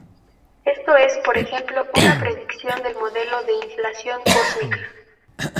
Esto es, por ejemplo, una predicción del modelo de inflación cósmica.